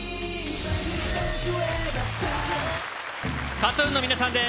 ＫＡＴ−ＴＵＮの皆さんです。